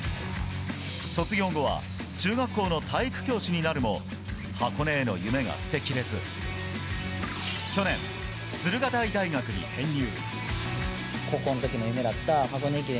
卒業後は中学校の体育教師になるも箱根への夢が捨てきれず去年、駿河台大学に編入。